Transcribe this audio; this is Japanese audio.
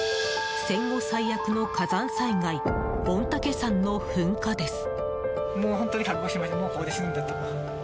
戦後最悪の火山災害御嶽山の噴火です。